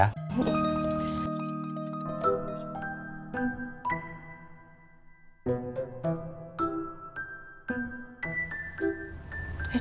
eh jangan beb